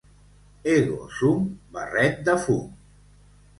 Ego sum barret de fum.